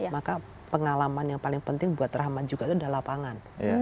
maka pengalaman yang paling penting buat rahmat juga itu adalah lapangan